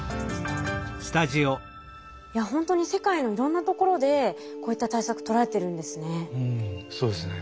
いやほんとに世界のいろんなところでこういった対策とられてるんですね。